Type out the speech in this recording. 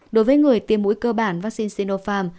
đối với người tiêm mũi cơ bản vaccine sinopharm